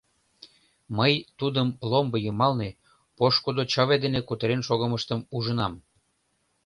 — Мый тудым ломбо йымалне пошкудо чыве дене кутырен шогымыштым ужынам.